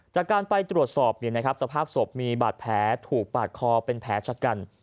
จากการไปตรวจสอบสภาพศพมีบาดแผลถูกปาดคอเป็นแผลชะกัน